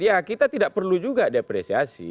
ya kita tidak perlu juga depresiasi